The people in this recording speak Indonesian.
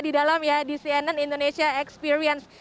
di dalam ya di cnn indonesia experience